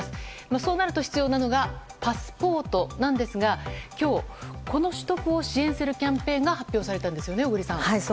そうなると必要なのがパスポートなんですが今日、この取得を支援するキャンペーンが発表されたんですよね、小栗さん。